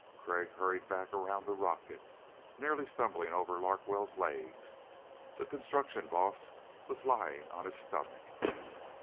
Crag hurried back around the rocket, nearly stumbling over Larkwell's legs. The construction boss was lying on his stomach.